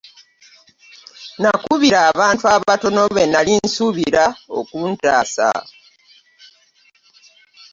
Nakubira abantu abatono be nnali nsuubira okuntaasa.